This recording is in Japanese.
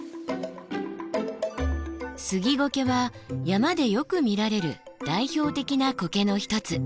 スギゴケは山でよく見られる代表的な苔の一つ。